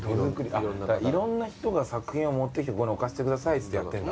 いろんな人が作品を持ってきてここに置かせてくださいっつってやってるんだ。